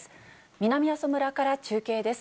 南阿蘇村から中継です。